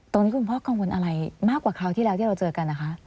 คุณพ่อกังวลอะไรมากกว่าคราวที่แล้วที่เราเจอกันนะคะ